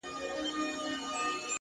خو مخته دي ځان هر ځلي ملنگ در اچوم ـ